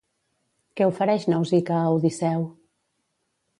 Què ofereix Nausica a Odisseu?